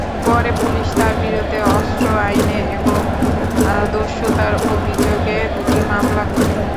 পরে পুলিশ তাঁর বিরুদ্ধে অস্ত্র আইনে এবং দস্যুতার অভিযোগে দুটি মামলা করে।